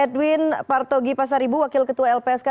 dan pak artogi pasar ibu wakil ketua lpsk